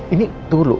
ini tunggu dulu